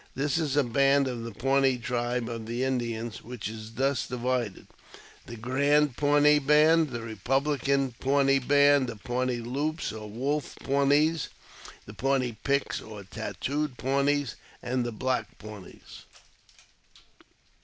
This is a band of the Pawnee tribe of Indians, which is thus divided : The Grand Pawnee Band. The Eepublican Pawnee Band. The Pawnee Loups or Wolf Pawnees. The Pawnee Pics or Tattooed Pawnees, and The Black Pawnees.